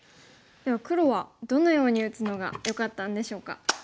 では黒はどのように打つのがよかったんでしょうか。